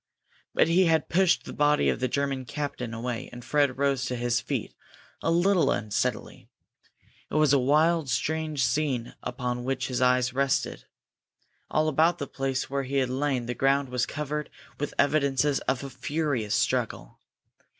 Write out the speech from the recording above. But he had pushed the body of the German captain away, and Fred rose to his feet a little unsteadily. It was a wild, strange scene upon which his eyes rested. All about the place where he had lain the ground was covered with evidences of a furious struggle.